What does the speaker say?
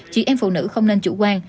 chị em phụ nữ không nên chủ quan